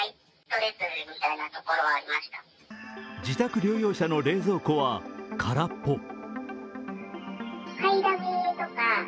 自宅療養者の冷蔵庫は空っぽ。